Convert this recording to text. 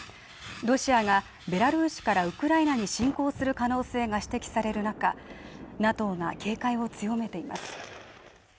ロシアがベラルーシからウクライナに侵攻する可能性が指摘される中ＮＡＴＯが警戒を強めています